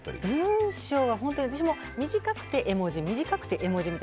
文章は私も短く絵文字短くて、絵文字って。